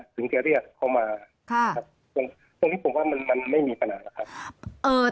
ถึงเขาเรียกเขามาคงพูดผมว่ามันมันไม่มีขนาด